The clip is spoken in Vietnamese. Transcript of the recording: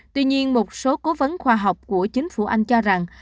tuy nhiên một số cố vấn khoa học của chính phủ anh cho rằng